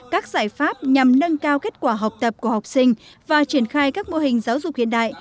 các giải pháp nhằm nâng cao kết quả học tập của học sinh và triển khai các mô hình giáo dục hiện đại